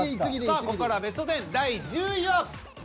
さあここからはベスト１０第１０位は。